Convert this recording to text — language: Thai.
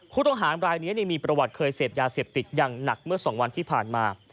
ผู้ต้องหารายนี้มีประวัติเคยเสพยาเสพติดอย่างหนักเมื่อ๒วันที่ผ่านมา